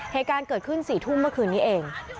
เหตุการณ์เกิดขึ้น๔ทุ่มเมื่อคืนนี้เอง